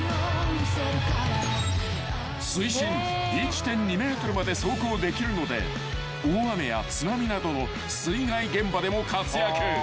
［水深１．２ｍまで走行できるので大雨や津波などの水害現場でも活躍］